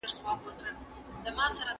ایا کورني سوداګر وچه میوه پروسس کوي؟